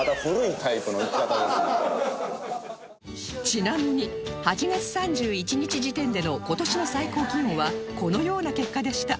ちなみに８月３１日時点での今年の最高気温はこのような結果でした